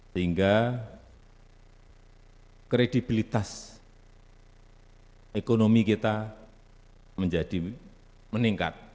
sehingga kredibilitas ekonomi kita menjadi meningkat